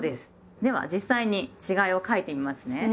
では実際に違いを書いてみますね。